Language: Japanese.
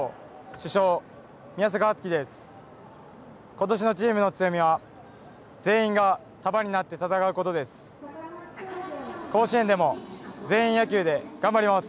ことしのチームの強みは全員が束になって戦うことです。